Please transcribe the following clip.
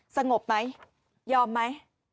สงบไหมยอมไหม